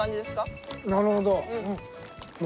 なるほど。